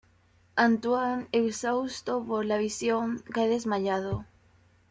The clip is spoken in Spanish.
Antoine, exhausto por la visión, cae desmayado.